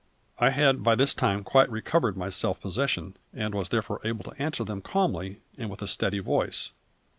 I had by this time quite recovered my self possession, and was therefore able to answer them calmly and with a steady voice.